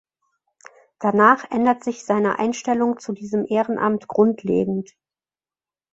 Danach ändert sich seine Einstellung zu diesem Ehrenamt grundlegend.